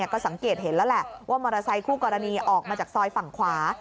ก็สังเกตเห็นแล้วแหละว่ามอเตอร์ไซคู่กรณีออกมาจากซอยฝั่งขวา